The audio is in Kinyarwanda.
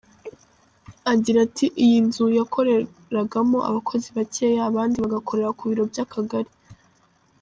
Agira ati “Iyi nzu yakoreragamo abakozi bakeya abandi bagakorera ku biro by’akagari.